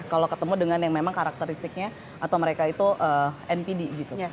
kalau ketemu dengan yang memang karakteristiknya atau mereka itu npd gitu